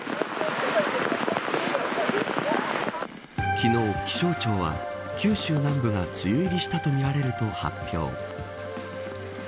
昨日、気象庁は九州南部が梅雨入りしたとみられると発表。